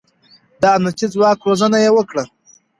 د امنيتي ځواک روزنه يې وکړه.